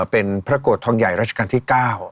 เป็นพระโกรธทองใหญ่ราชการที่๙